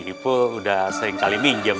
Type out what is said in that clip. dipo udah sering kali minjem